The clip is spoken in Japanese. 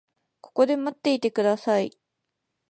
ここで待っていてください。